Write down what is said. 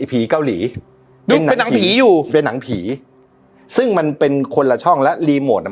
ผีเกาหลีเป็นหนังผีอยู่เป็นหนังผีซึ่งมันเป็นคนละช่องและรีโมทอ่ะ